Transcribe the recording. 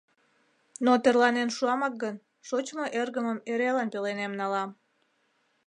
Но, тӧрланен шуамак гын, шочмо эргымым эрелан пеленем налам».